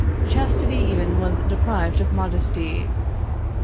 Chastity even was deprived of modesty.